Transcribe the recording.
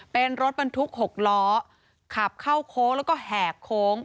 เป็นรถบรรทุก๖ล้อขับเข้าโค้งแล้วก็แหกโค้ง